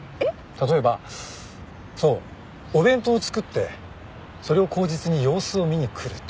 例えばそうお弁当を作ってそれを口実に様子を見に来るとか。